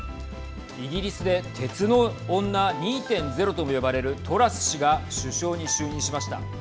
イギリスで鉄の女２．０とも呼ばれるトラス氏が首相に就任しました。